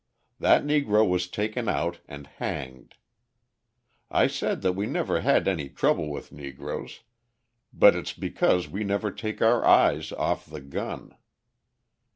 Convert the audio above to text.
That Negro was taken out and hanged. I said that we never had any trouble with Negroes, but it's because we never take our eyes off the gun.